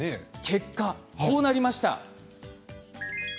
結果こうなりました。